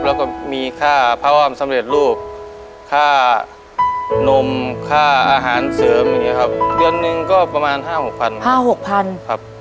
และก็มีค่าพัวมสำเร็จลูกค่านมค่าอาหารเสริมอย่างนี้ครับเดือนหนึ่งก็ประมาณ๕๖๐๐๐บาทครับ